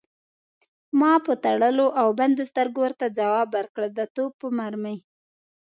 ما په تړلو او بندو سترګو ورته ځواب ورکړ: د توپ په مرمۍ.